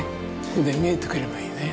これで見えてくればいいね